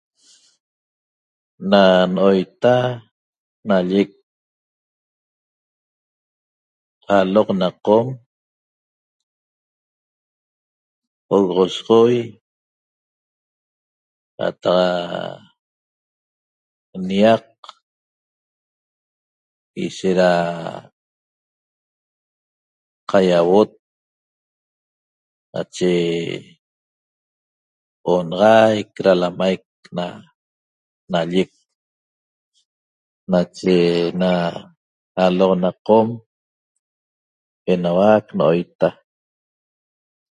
Na no'oita nallec aloq na Qom pogosoxoi qataq nýaq ishet da qaiauot nache onaxaic da lamaic na nallec nache na aloq na Qom enauac no'oita